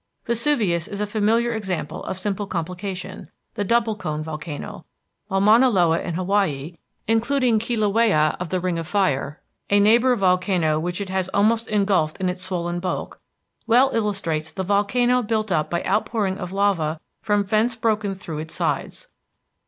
Vesuvius is a familiar example of simple complication, the double cone volcano, while Mauna Loa in Hawaii, including Kilauea of the pit of fire, a neighbor volcano which it has almost engulfed in its swollen bulk, well illustrates the volcano built up by outpourings of lava from vents broken through its sides.